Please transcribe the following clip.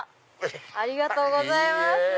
ありがとうございます。